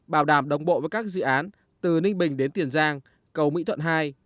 bảo đảm đồng bộ với các dự án từ ninh bình đến tiền giang cầu mỹ thuận hai